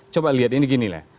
coba lihat ini gini lah